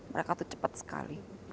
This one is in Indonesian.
mereka tuh cepat sekali